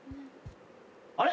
あれ！？